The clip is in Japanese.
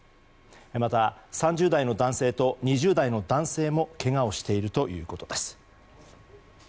また、３０代の男性と２０代の男性もけがをしているということです。